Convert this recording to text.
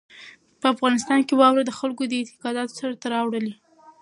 په افغانستان کې واوره د خلکو د اعتقاداتو سره تړاو لري.